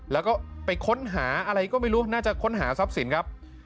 แล้วก็ไปค้นหาอะไรก็ไม่รู้น่าจะค้นหาทรัพย์สินครับ